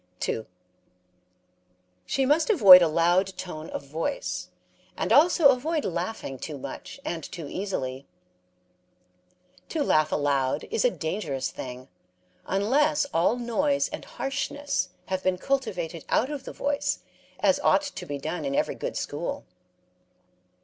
2. She must avoid a loud tone of voice, and also avoid laughing too much and too easily. To laugh aloud is a dangerous thing, unless all noise and harshness have been cultivated out of the voice, as ought to be done in every good school.